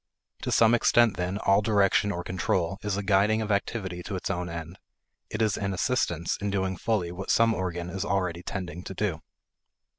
To some extent, then, all direction or control is a guiding of activity to its own end; it is an assistance in doing fully what some organ is already tending to do.